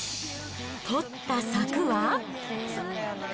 取った策は。